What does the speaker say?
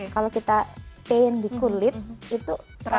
kalau kita pain di kulit itu